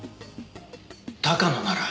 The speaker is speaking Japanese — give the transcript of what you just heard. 高野なら。